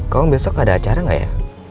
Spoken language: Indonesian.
kalo besok ada acara gak ya